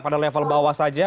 pada level bawah saja